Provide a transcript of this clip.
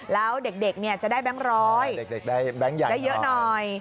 แล้วเด็กจะได้แบงค์ร้อยได้เยอะหน่อย